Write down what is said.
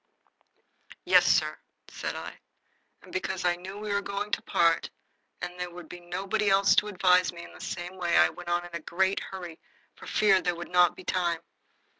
"Yes, sir," said I, and because I knew we were going to part and there would be nobody else to advise me in the same way, I went on in a great hurry for fear there should not be time.